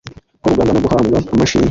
ku rugamba no guhabwa amashimwe